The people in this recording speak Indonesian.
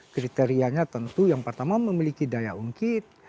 kriterianya tentu yang pertama memiliki daya ungkit